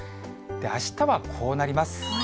あしたはこうなります。